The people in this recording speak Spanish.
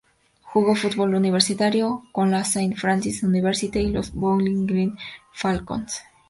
Jugó fútbol universitario con la Saint Francis University y los Bowling Green Falcons.